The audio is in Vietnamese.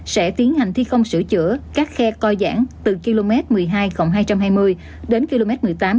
sẽ tiến hành thi công sửa chữa các khe co giãn từ km một mươi hai hai trăm hai mươi đến km một mươi tám bốn trăm tám mươi